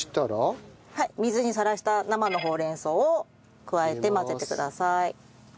水にさらした生のほうれん草を加えて混ぜてください。